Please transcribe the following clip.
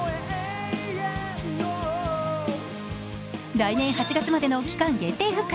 来年８月までの期間限定復活。